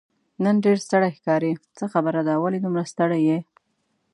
نن ډېر ستړی ښکارې، څه خبره ده، ولې دومره ستړی یې؟